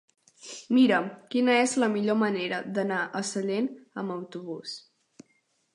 Mira'm quina és la millor manera d'anar a Sallent amb autobús.